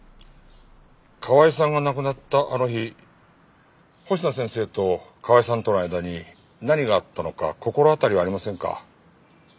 河合さんが亡くなったあの日星名先生と河合さんとの間に何があったのか心当たりはありませんか？